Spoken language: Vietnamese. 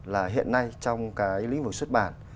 là hiện nay trong cái lĩnh vực xuất bản